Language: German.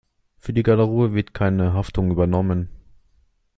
Für die Garderobe wird keine Haftung übernommen.